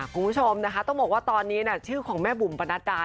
กลุ่มผู้ชมต้อมบอกว่าตอนนี้ชื่อของแม่บุ้มปณฏา